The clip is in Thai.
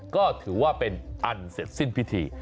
ก็ถือว่าเป็นอันเสร็จสิ้นพิธี